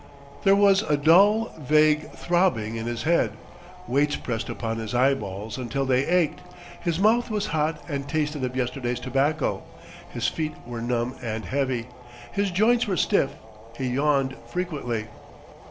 There was a dull, vague throbbing in his head; weights pressed upon his eyeballs until they ached; his mouth was hot and tasted of yesterday's tobacco; his feet were numb and heavy; his joints were stiff; he yawned frequently.